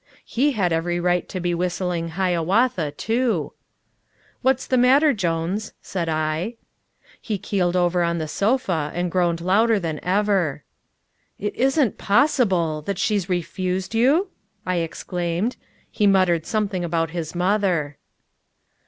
He had every right to be whistling Hiawatha, too. "What's the matter, Jones?" said I. He keeled over on the sofa, and groaned louder than ever. "It isn't possible that she's refused you?" I exclaimed. He muttered something about his mother.